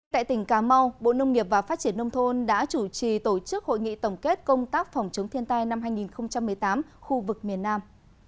tại tỉnh cà mau bộ nông nghiệp và phát triển nông thôn đã chủ trì tổ chức hội nghị tổng kết công tác phòng chống thiên tai năm hai nghìn một mươi tám khu vực miền nam